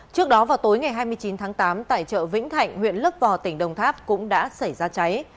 trước đó vào tối ngày hai mươi chín tháng tám tại chợ vĩnh thạnh huyện lấp vò tỉnh đồng tháp cũng đã xảy ra cháy